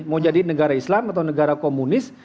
mau jadi negara islam atau negara komunis